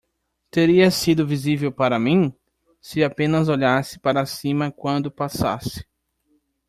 Teria sido visível para mim? se apenas olhasse para cima quando passasse.